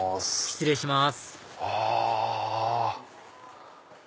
失礼しますあ！